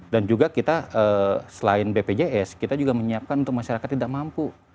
dan juga kita selain bpjs kita juga menyiapkan untuk masyarakat tidak mampu